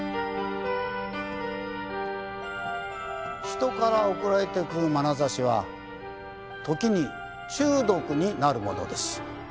人から送られてくるまなざしは時に中毒になるものです。